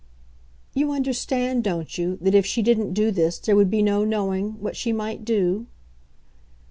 "You understand, don't you, that if she didn't do this there would be no knowing what she might do?"